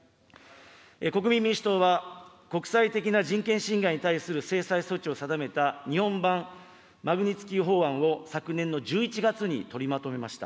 国民民主党は、国際的な人権侵害に対する制裁措置を定めた日本版マグニツキー法案を昨年の１１月に取りまとめました。